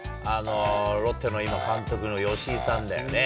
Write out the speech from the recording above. ロッテの今、監督の吉井さんだよね。